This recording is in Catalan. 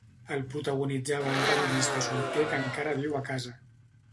El protagonitzava un periodista solter que encara viu a casa.